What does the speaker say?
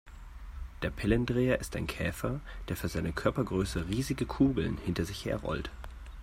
Der Pillendreher ist ein Käfer, der für seine Körpergröße riesige Kugeln hinter sich her rollt.